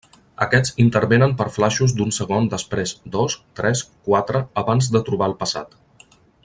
Aquests intervenen per flaixos d'un segon després dos, tres, quatre abans de trobar el passat.